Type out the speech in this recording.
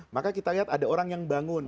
maka kita lihat ada orang yang bangun